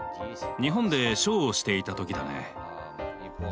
日本でショーをしていた時だね。